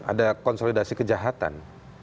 ada konsolidasi kejahatan